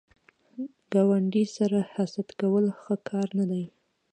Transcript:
ګاونډي سره حسد کول ښه کار نه دی